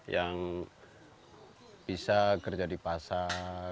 yang bisa kerja di pasar